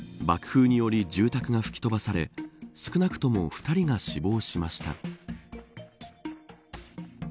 爆風により住宅が吹き飛ばされ少なくとも２人が死亡しました。